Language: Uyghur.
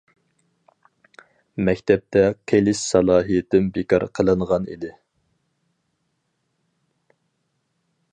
مەكتەپتە قېلىش سالاھىيىتىم بىكار قىلىنغان ئىدى.